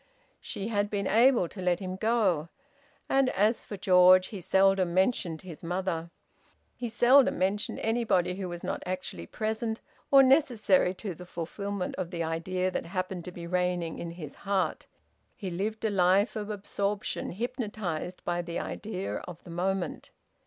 She had been able to let him go. And as for George, he seldom mentioned his mother. He seldom mentioned anybody who was not actually present, or necessary to the fulfilment of the idea that happened to be reigning in his heart. He lived a life of absorption, hypnotised by the idea of the moment.